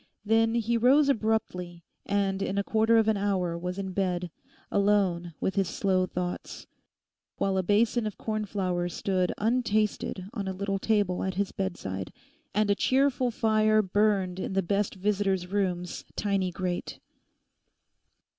Then he rose abruptly, and in a quarter of an hour was in bed, alone with his slow thoughts: while a basin of cornflour stood untasted on a little table at his bedside, and a cheerful fire burned in the best visitors' room's tiny grate.